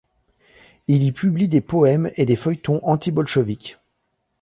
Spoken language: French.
Il y publie des poèmes et des feuilletons anti-bolcheviques.